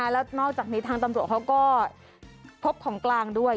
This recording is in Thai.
แล้วนอกจากนี้ทางตำรวจเขาก็พบของกลางด้วย